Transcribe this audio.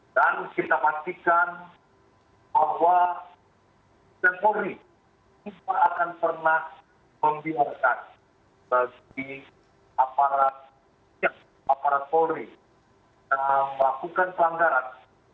dan kita pastikan bahwa polri tidak akan pernah membimbingkan bagi aparat polri yang melakukan pelanggaran